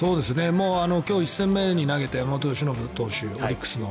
今日、１戦目に投げた山本由伸投手オリックスの。